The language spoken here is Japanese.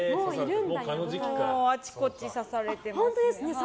あちこち刺されてます。